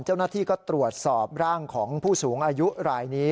เจ้าหน้าที่ก็ตรวจสอบร่างของผู้สูงอายุรายนี้